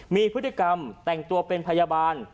มีพฤติกรรมแต่งตัวเป็นพยาบาล